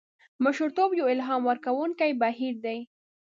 مشرتوب یو الهام ورکوونکی بهیر دی.